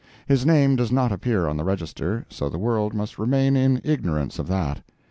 His name does not appear on the register, so the world must remain in ignorance of that.